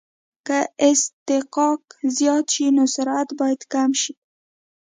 که اصطکاک زیات شي نو سرعت باید کم شي